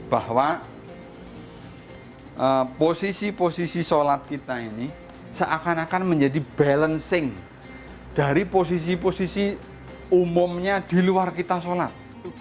bahwa posisi posisi sholat kita ini seakan akan menjadi balancing dari posisi posisi umumnya di luar kita sholat